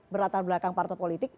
berlatar belakang partai politik